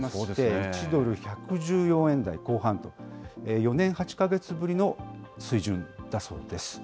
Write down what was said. １ドル１１４円台後半と、４年８か月ぶりの水準だそうです。